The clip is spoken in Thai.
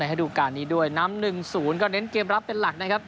ให้ดูการณ์นี้ด้วยน้ำหนึ่งศูนย์ก็เน้นเกมรับเป็นหลักนะครับ